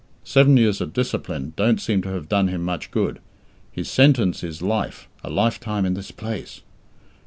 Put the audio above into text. Seven years of "discipline" don't seem to have done him much good. His sentence is "life" a lifetime in this place!